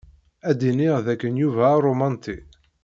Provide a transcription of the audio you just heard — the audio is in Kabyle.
Ad iniɣ d akken Yuba aṛumanti.